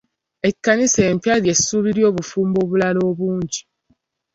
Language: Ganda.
Ekkanisa empya ly'essuubi ly'obufumbo obulala obungi.